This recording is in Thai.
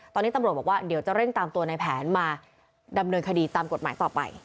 ตอนนี้ตำรวจบอกว่าเดี๋ยวจะเร่งตามตัวในแผนมาดำเนินคดีตามกฎหมายต่อไป